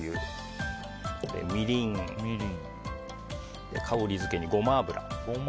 みりん、香りづけにゴマ油。